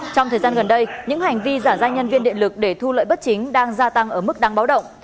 trong thời gian gần đây những hành vi giả danh nhân viên điện lực để thu lợi bất chính đang gia tăng ở mức đáng báo động